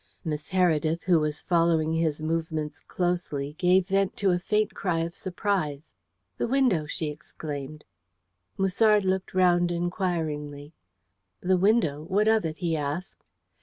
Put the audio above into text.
Miss Heredith, who was following his movements closely, gave vent to a faint cry of surprise. "The window!" she exclaimed. Musard looked round inquiringly. "The window what of it?" he asked.